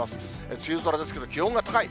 梅雨空ですけど、気温が高い。